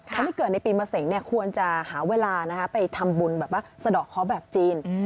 คนที่เกิดในปีมะเสงควรจะหาเวลาไปทำบุญแบบว่าสะดอกเคาะแบบจีน